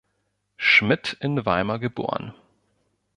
Schmidt in Weimar geboren.